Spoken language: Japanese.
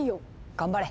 頑張れ！